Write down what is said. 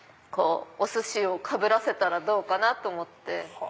お寿司をかぶらせたらどうかなと思って。